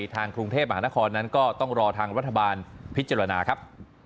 ทางกรุงเทพมหานครนั้นก็ต้องรอทางรัฐบาลพิจารณาครับ